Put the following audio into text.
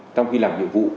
trong khi làm nhiệm vụ